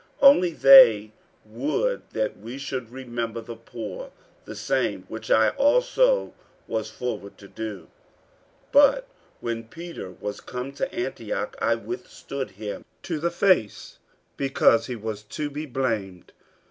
48:002:010 Only they would that we should remember the poor; the same which I also was forward to do. 48:002:011 But when Peter was come to Antioch, I withstood him to the face, because he was to be blamed.